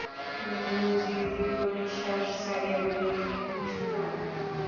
গুরুজি দীর্ঘনিশ্বাস ছাড়িয়া বলিলেন, মধুসূদন!